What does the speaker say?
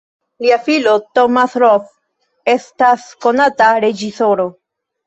Lia filo Thomas Roth estas konata reĝisoro.